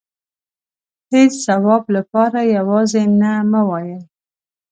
هيچ ځواب لپاره يوازې نه مه وايئ .